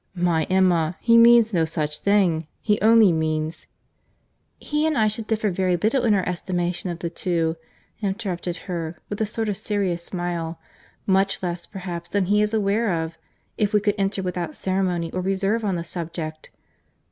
"My Emma, he means no such thing. He only means—" "He and I should differ very little in our estimation of the two," interrupted she, with a sort of serious smile—"much less, perhaps, than he is aware of, if we could enter without ceremony or reserve on the subject."